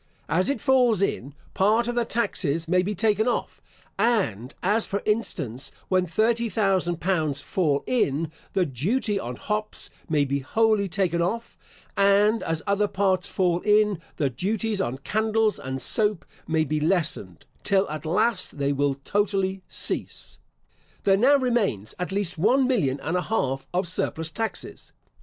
As it falls in, part of the taxes may be taken off; and as, for instance, when thirty thousand pounds fall in, the duty on hops may be wholly taken off; and as other parts fall in, the duties on candles and soap may be lessened, till at last they will totally cease. There now remains at least one million and a half of surplus taxes.